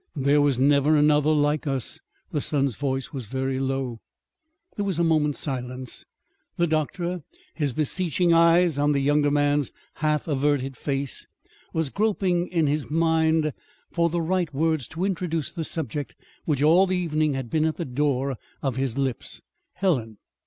"There was never another like us." The son's voice was very low. There was a moment's silence. The doctor, his beseeching eyes on the younger man's half averted face, was groping in his mind for the right words to introduce the subject which all the evening had been at the door of his lips Helen.